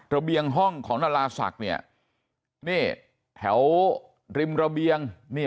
ระเบียงห้องของนาราศักดิ์เนี่ยแถวริมระเบียงเนี่ย